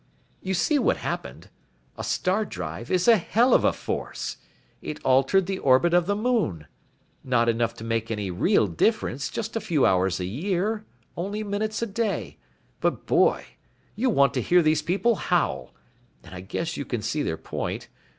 "You see what happened. A star drive is a hell of a force. It altered the orbit of the moon. Not enough to make any real difference, just a few hours a year, only minutes a day, but boy, you want to hear these people howl. And I guess you can see their point.